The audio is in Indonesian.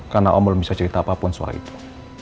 karena om belum bisa cerita apapun soal itu